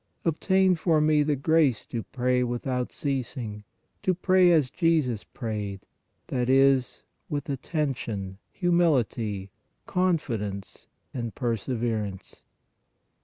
Obtain for me the grace to pray without ceas ing, to pray as Jesus prayed, that is, with attention, humility, confidence and perseverance.